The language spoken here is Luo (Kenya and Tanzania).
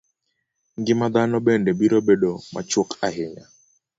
Ngima dhano bende biro bedo machuok ahinya.